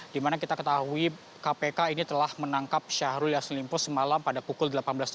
dimana kita ketahui kpk ini telah menangkap syahrul yassin limpo semalam pada pukul delapan belas tiga puluh